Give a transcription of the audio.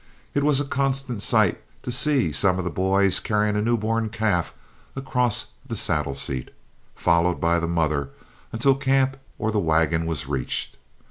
It was a constant sight to see some of the boys carrying a new born calf across the saddle seat, followed by the mother, until camp or the wagon was reached.